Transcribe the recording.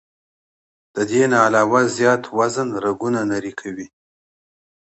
د دې نه علاوه زيات وزن رګونه نري کوي